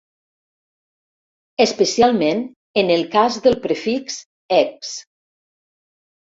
Especialment en el cas del prefix ex- .